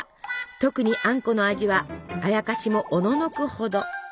特にあんこの味はあやかしもおののくほど。